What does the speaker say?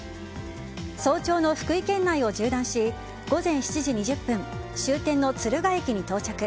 早朝の福井県内を縦断し午前７時２０分終点の敦賀駅に到着。